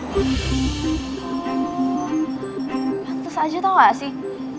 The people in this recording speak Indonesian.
gantes aja tau nggak sih